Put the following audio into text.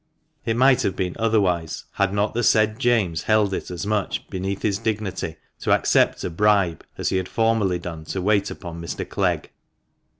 (It might have been otherwise, had not the said James held it as much " beneath his dignity " to accept a bribe as he had formerly done to wait upon Mr. Clegg.)